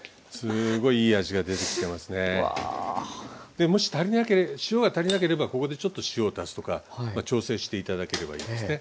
でもし塩が足りなければここでちょっと塩を足すとか調整して頂ければいいですね。